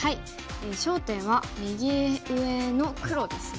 焦点は右上の黒ですね。